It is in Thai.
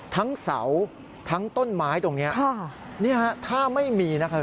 ทั้งเสาทั้งต้นไม้ตรงนี้